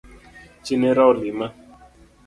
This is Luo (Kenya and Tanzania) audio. Chi nera olima